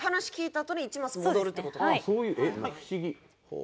あっそういう不思議。